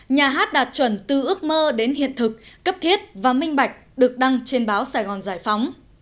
nhà hát đạt chuẩn từ ước mơ đến hiện thực cấp thiết và minh bạch được đăng trên báo sài gòn giải phóng